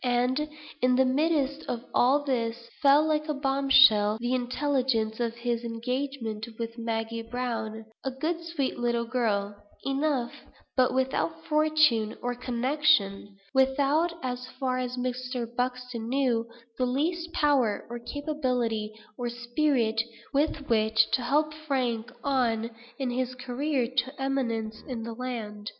And, in the midst of all this, fell, like a bombshell, the intelligence of his engagement with Maggie Browne; a good sweet little girl enough, but without fortune or connection without, as far as Mr. Buxton knew, the least power, or capability, or spirit, with which to help Frank on in his career to eminence in the land!